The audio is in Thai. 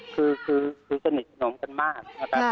คือคือคือสนิทขนมกันมาก